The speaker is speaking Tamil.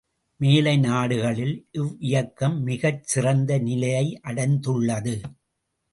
மேலை நாடுகளில் இவ்வியக்கம் மிகச் சிறந்த நிலையை அடைந்துள்ளது.